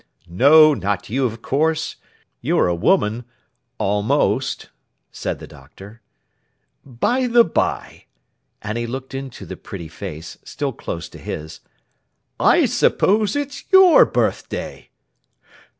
'No, not you, of course; you're a woman—almost,' said the Doctor. 'By the by,' and he looked into the pretty face, still close to his, 'I suppose it's your birth day.